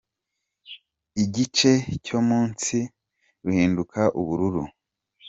igice cyo munsi ruhinduka ubururu